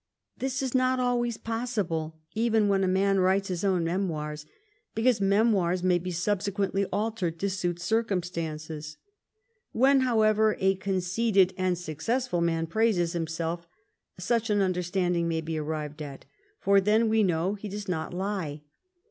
This is not always possible even when a man writes his owu memoirs, because memoirs may be subsequently altered to suit circumstances. When, however, a conceited and successful man praises himself, such an understanding may be arrived at ; for then, we know, he does not lie.